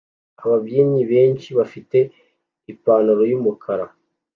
Ababyinnyi benshi bafite ipantaro yumukara